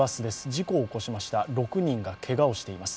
事故を起こしました、６人がけがをしています。